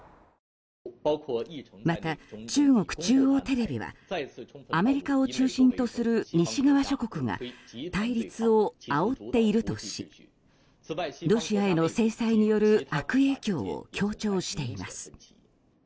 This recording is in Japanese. また、中国中央テレビはアメリカを中心とする西側諸国が対立をあおっているとしロシアへの制裁による悪影響を強調しています。